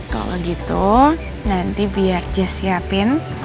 kalau gitu nanti biar jazz siapin